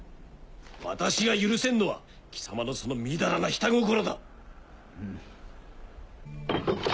私が許せんのは貴様のその淫らな下心だ！